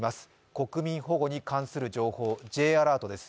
国民保護に関する情報、Ｊアラートです。